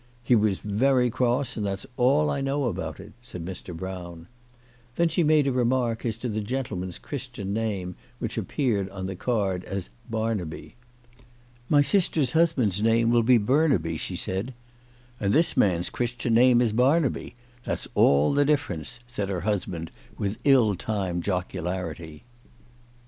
"He was very cross, and that's all I know about it," said Mr. Brown. Then she made a remark as to the gentleman's Christian name, which appeared on the card as " Barnaby." " My sister's husband's name will be Burnaby," she said. " And this man's Chris tian name is Barnaby ; that's all the difference," said her husband, with ill timed jocularity.